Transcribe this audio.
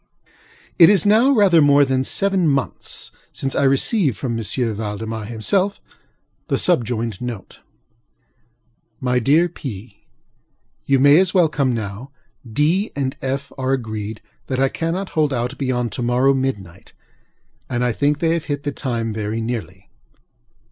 It is now rather more than seven months since I received, from M. Valdemar himself, the subjoined note: MY DEAR PŌĆöŌĆö, You may as well come now. DŌĆöŌĆö and FŌĆöŌĆö are agreed that I cannot hold out beyond to morrow midnight; and I think they have hit the time very nearly.